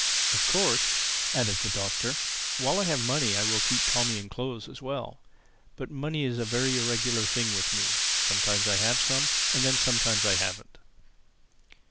"Of course," added the Doctor, "while I have money I will keep Tommy in clothes as well. But money is a very irregular thing with me; sometimes I have some, and then sometimes I haven't."